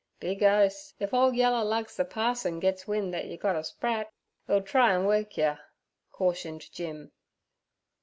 'Be Ghos! if ole yallar lugs the parson gets wind that yer got a sprat 'e'll try an' work yer' cautioned Jim.